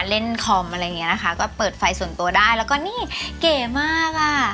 เล่นคอมอะไรอย่างเงี้นะคะก็เปิดไฟส่วนตัวได้แล้วก็นี่เก๋มากอ่ะ